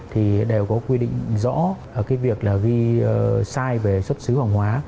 thì đều có quy định rõ cái việc là ghi sai về xuất xứ hàng hóa